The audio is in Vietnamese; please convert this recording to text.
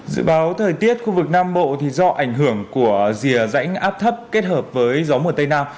dự báo thời tiết khu vực nam bộ do ảnh hưởng của rìa rãnh áp thấp kết hợp với gió mùa tây nam